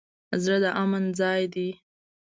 زړه د امن ځای دی.